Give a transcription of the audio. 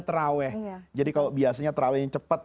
terawih jadi kalau biasanya terawih yang cepat